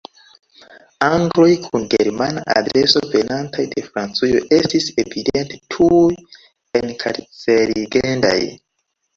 Angloj kun Germana adreso venantaj de Francujo estis evidente tuj enkarcerigendaj.